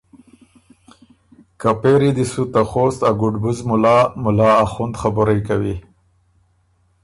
که پېری دی سُو ته خوست ا ګُربز مُلا ”مُلا اخوند“ خبُرئ کوی